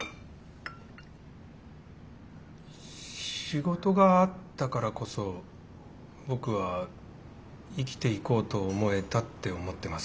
仕事があったからこそ僕は生きていこうと思えたって思ってます。